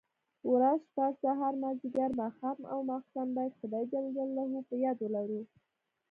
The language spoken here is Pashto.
ورځ، شپه، سهار، ماځيګر، ماښام او ماخستن بايد خداى جل جلاله په ياد ولرو.